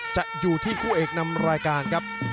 จะอยู่ที่คู่เอกนำรายการครับ